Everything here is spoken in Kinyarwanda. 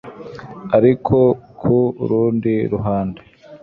ariko ku rundi ruhande